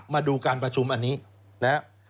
มาดูการประชุมอันนี้นะครับ